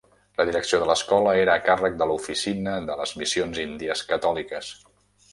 La direcció de l'escola era a càrrec de l'Oficina de les Missions Índies Catòliques.